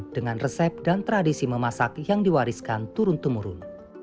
dengan resep dan tradisi memasak yang diwariskan turun temurun